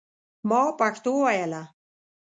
ما پښتو ویله.